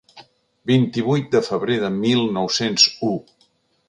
Vint-i-vuit de febrer de mil nou-cents u.